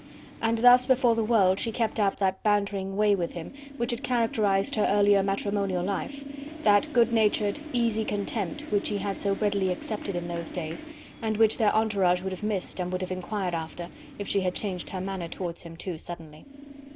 And thus before the world she kept up that bantering way with him, which had characterized her earlier matrimonial life, that good natured, easy contempt which he had so readily accepted in those days, and which their entourage would have missed and would have enquired after, if she had changed her manner towards him too suddenly.